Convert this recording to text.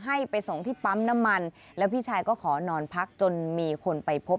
ให้ไปส่งที่ปั๊มน้ำมันแล้วพี่ชายก็ขอนอนพักจนมีคนไปพบ